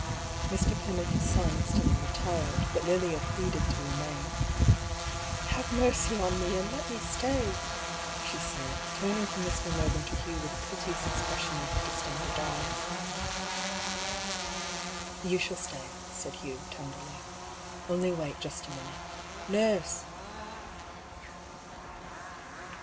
Mr. Pym and his son instantly retired, but Lilia pleaded to remain. ^^ Have mercy on me, and let me stay I " she said, turning from Mr. Mervyn to Hugh with a piteous ex pression in her distended eyes. " You shall stay," said Hugh, tenderly ;" only wait just a minute. Nurse